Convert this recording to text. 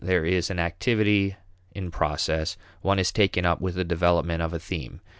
There is an activity in process; one is taken up with the development of a theme.